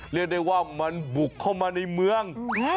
เรียกได้ว่ามันบุกเข้ามาในเมือง